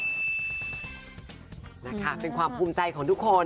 นะคะเป็นความภูมิใจของทุกคน